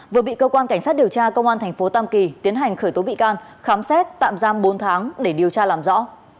vừa bị cơ quan cảnh sát điều tra công an tp tam kỳ tiến hành khởi tố bị can khám xét tạm giam bốn tháng để điều tra làm rõ